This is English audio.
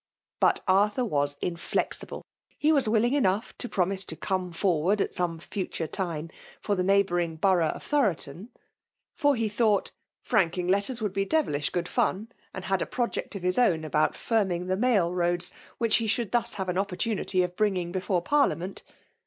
But Arthur was inflexible : he was willing enough to pro ■ mise to '' come forward/' at some future time, for the neighbouring borough of Thoroton, for he thought '' franking letters would be devilish good fun, and had a project of his own about farming the mail roads, which he should thus have an opportunity of bringing before Par liament.